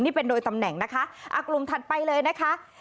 นี่เป็นโดยตำแหน่งนะคะกลุ่มถัดไปเลยนะคะ